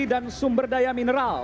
dan sumber daya mineral